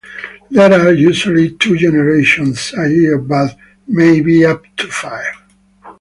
There are usually two generations a year but may be up to five.